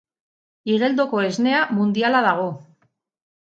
Igeldoko Esnea mundiala dago!